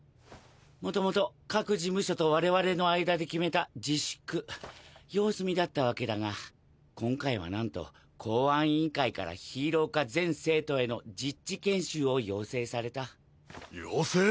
元々各事務所と我々の間で決めた自粛様子見だったわけだが今回はなんと公安委員会から「ヒーロー科全生徒への実地研修」を要請された。要請！？